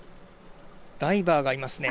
ダイバーがいますね。